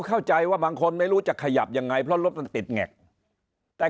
เข้าใจว่าบางคนไม่รู้จะขยับยังไงเพราะรถมันติดแงกแต่